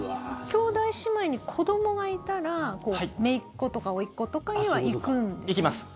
兄弟姉妹に子どもがいたらめいっ子とか、おいっ子とかには行きます。